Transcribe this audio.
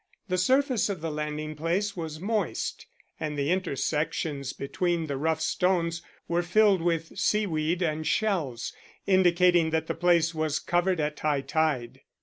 The surface of the landing place was moist, and the intersections between the rough stones were filled with seaweed and shells, indicating that the place was covered at high tide.